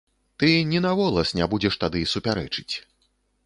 Ты ні на волас не будзеш тады супярэчыць.